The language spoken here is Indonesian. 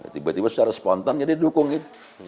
tiba tiba secara spontan jadi dukung itu